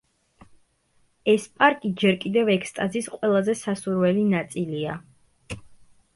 ეს პარკი ჯერ კიდევ ექსტაზის ყველაზე სასურველი ნაწილია.